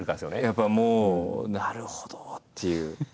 やっぱもうなるほどっていう。